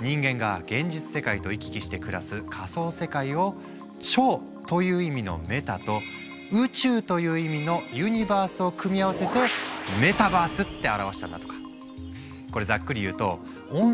人間が現実世界と行き来して暮らす仮想世界を「超」という意味のメタと「宇宙」という意味のユニバースを組み合わせてメタバースって表したんだとか。